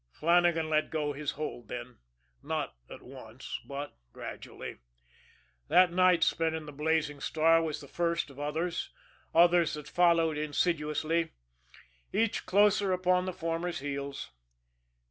Flannagan let go his hold then; not at once, but gradually. That night spent in the Blazing Star was the first of others, others that followed insidiously, each closer upon the former's heels.